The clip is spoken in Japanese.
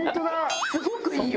すごくいいよ。